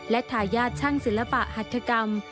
และทายาทช่างศิลปะหัฐกรรม